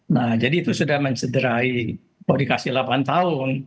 nah jadi itu sudah mencederai mau dikasih delapan tahun